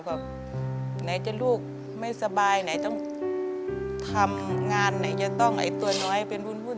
แบบไหนจะลูกไม่สบายไหนต้องทำงานไหนจะต้องไอ้ตัวน้อยเป็นวุ่น